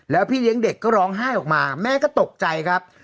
แล้วพี่เลี้ยงเด็กก็ร้องไห้ออกมาแม่ก็ตกใจครับ